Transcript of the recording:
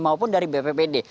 maupun dari bpbd